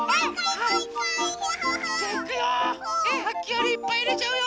さっきよりいっぱいいれちゃうよ。